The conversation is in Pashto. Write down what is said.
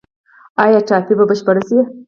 آیا ټاپي به بشپړه شي؟